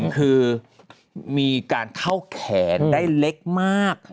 คือมีการเข้าแขนได้เล็กมาก